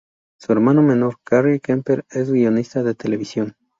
Su hermana menor, Carrie Kemper, es guionista de televisión.